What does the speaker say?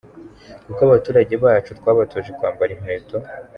Kuko abaturage bacu, twabatoje kwambara ikweto.